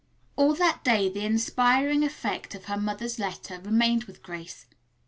All that day the inspiring effect of her mother's letter remained with Grace.